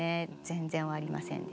全然終わりませんでした。